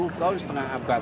lima puluh tahun setengah abad